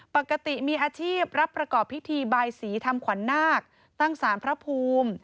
ปกติมีอาชีพรับประกอบพิธีบายสีทำขวัญนาคตั้งสารพระภูมิ